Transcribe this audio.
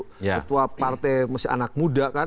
ketua partai masih anak muda kan